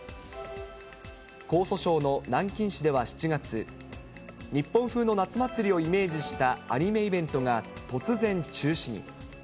江蘇省の南京市では７月、日本風の夏祭りをイメージしたアニメイベントが突然中止に。